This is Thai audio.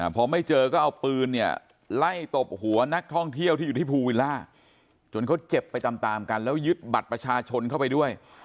พอไม่เจอก็เอาปืนเนี่ยไล่ตบหัวนักท่องเที่ยวที่อยู่ที่ภูวิลล่าจนเขาเจ็บไปตามตามกันแล้วยึดบัตรประชาชนเข้าไปด้วย